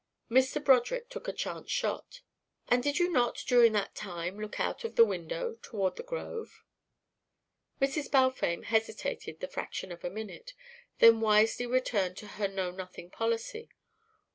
Mr. Broderick took a chance shot. "And did you not during that time look out of the window toward the grove?" Mrs. Balfame hesitated the fraction of a minute, then wisely returned to her know nothing policy.